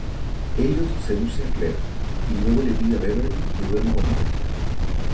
Elliot seduce a Claire y luego le pide a Beverly que duerma con ella.